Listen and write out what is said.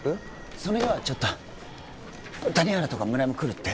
その日はちょっと谷原とか村井も来るって？